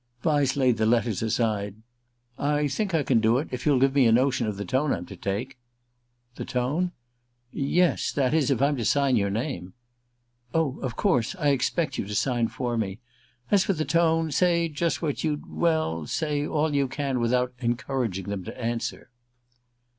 Vyse laid the letters aside. "I think I can do it if you'll give me a notion of the tone I'm to take." "The tone?" "Yes that is, if I'm to sign your name." "Oh, of course: I expect you to sign for me. As for the tone, say just what you'd well, say all you can without encouraging them to answer."